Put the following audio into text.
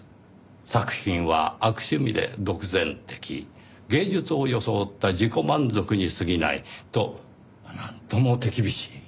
「作品は悪趣味で独善的」「芸術を装った自己満足にすぎない」となんとも手厳しい。